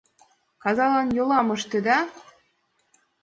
Казалан йолам ыштеда.